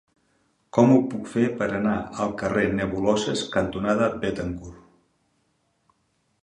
Com ho puc fer per anar al carrer Nebuloses cantonada Béthencourt?